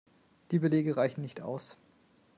Die Belege reichen nicht aus.